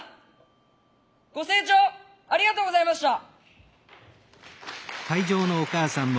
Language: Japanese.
ご清聴ありがとうございました。